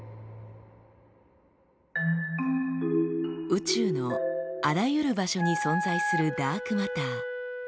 宇宙のあらゆる場所に存在するダークマター。